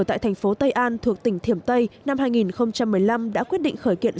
tại thành phố tây an thuộc tỉnh thiểm tây năm hai nghìn một mươi năm đã quyết định khởi kiện